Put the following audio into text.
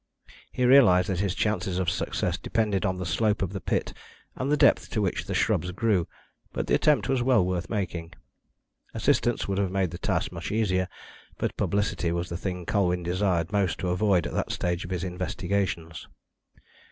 He realised that his chances of success depended on the slope of the pit and the depth to which the shrubs grew, but the attempt was well worth making. Assistance would have made the task much easier, but publicity was the thing Colwyn desired most to avoid at that stage of his investigations.